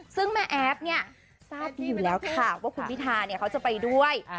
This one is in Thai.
ซึ่งแม่แอฟเนี่ยทราบดีอยู่แล้วค่ะว่าคุณพิธาเนี่ยเขาจะไปด้วย